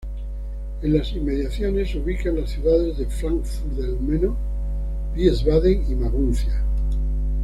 En las inmediaciones, se ubican las ciudades de Fráncfort del Meno, Wiesbaden y Maguncia.